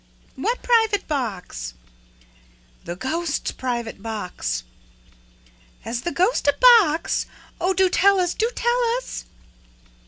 "What private box?" "The ghost's box!" "Has the ghost a box? Oh, do tell us, do tell us!"